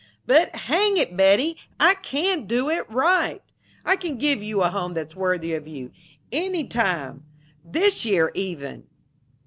But hang it, Betty, I can do it right! I can give you a home that's worthy of you. Any time! This year, even!"